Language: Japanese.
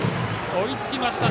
追いつきました。